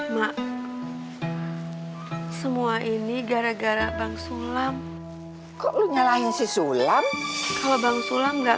mak semua ini gara gara bang sulam kok lu nyalahin si sulam kalau bang sulam enggak